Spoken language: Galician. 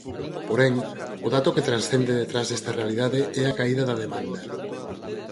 Porén, o dato que transcende detrás desta realidade é a caída da demanda.